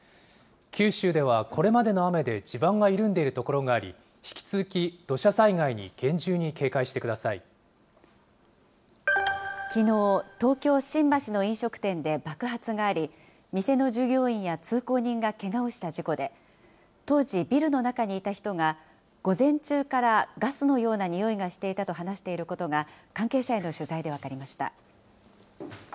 九州ではこれまでの雨で地盤が緩んでいる所があり、引き続き土砂きのう、東京・新橋の飲食店で爆発があり、店の従業員や通行人がけがをした事故で、当時、ビルの中にいた人が、午前中からガスのようなにおいがしていたと話していることが、関係者への取材で分かりました。